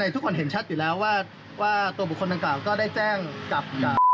ทุกคนเห็นชัดอยู่แล้วว่าตัวบุคคลดังกล่าวก็ได้แจ้งกับ